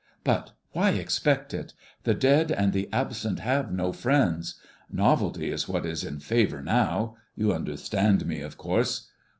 But why expect it? The dead and the absent have no friends. Novelty is what is in favor now, you understand me, of course.